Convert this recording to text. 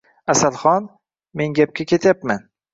Asalxon, men gapga ketyapman